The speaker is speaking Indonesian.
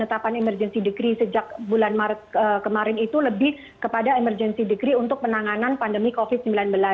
penetapan emergency degree sejak bulan maret kemarin itu lebih kepada emergency degree untuk penanganan pandemi covid sembilan belas